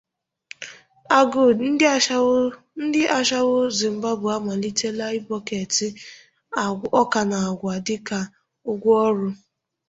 Agụụ: Ndị Ashawo Zimbabwe Amalitela Ịna Bọkeeti Ọkà na Àgwà Dịka Ụgwọọrụ